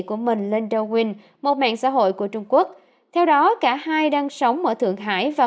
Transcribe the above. của mình lên do win một mạng xã hội của trung quốc theo đó cả hai đang sống ở thượng hải và